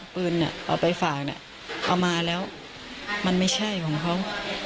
ปืนนั้นออกไปฝากเอามาแล้วมันไม่ใช่ของเขา